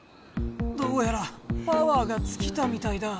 どうやらパワーがつきたみたいだ。